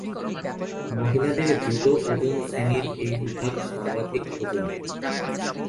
মহিলাদের জুডো ওজন শ্রেণীর এই বিভাগ সর্বাধিক ওজনের।